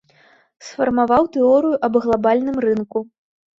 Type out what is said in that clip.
Сфармаваў тэорыю аб глабальным рынку.